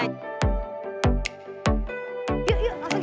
yuk yuk langsung kita makan yuk